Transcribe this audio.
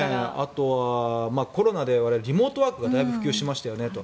あとは、コロナで我々、リモートワークがだいぶ普及しましたよねと。